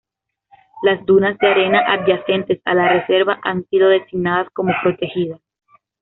Las dunas de arena adyacentes a la reserva han sido designadas como protegidas.